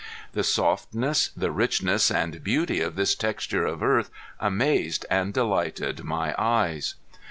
The softness, the richness and beauty of this texture of earth amazed and delighted my eyes.